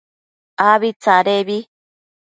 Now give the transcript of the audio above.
Abi tsadebi